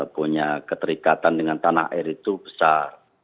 punya keterikatan dengan tanah air itu besar